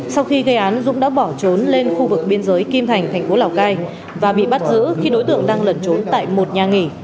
sau khi gây án dũng đã bỏ trốn lên khu vực biên giới kim thành thành phố lào cai và bị bắt giữ khi đối tượng đang lẩn trốn tại một nhà nghỉ